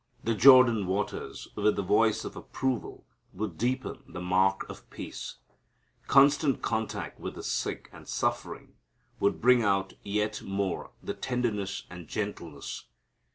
The Jordan waters, with the voice of approval, would deepen the mark of peace. Constant contact with the sick and suffering would bring out yet more the tenderness and gentleness.